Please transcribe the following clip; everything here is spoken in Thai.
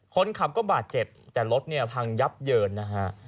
คนขับก็บาดเจ็บแต่รถเนี่ยพังยับเยินนะฮะ